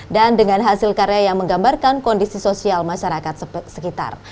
dan dengan hasil karya yang menggambarkan kondisi sosial masyarakat sekitar